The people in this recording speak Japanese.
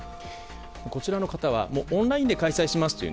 こちらの方はオンラインで開催しますと。